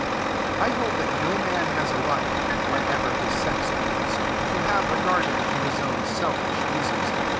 I hold that no man has a right (whatever his sex, of course) to have a garden to his own selfish uses.